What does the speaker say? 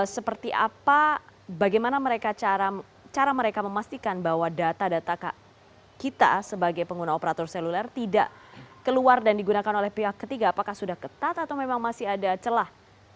seperti apa bagaimana cara mereka memastikan bahwa data data kita sebagai pengguna operator seluler tidak keluar dan digunakan oleh pihak ketiga apakah sudah ketat atau memang masih ada celah